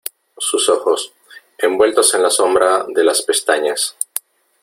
sus ojos , envueltos en la sombra de las pestañas ,